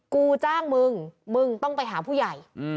กูจ้างมึงมึงต้องไปหาผู้ใหญ่